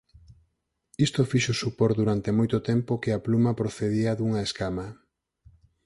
Isto fixo supor durante moito tempo que a pluma procedía dunha escama.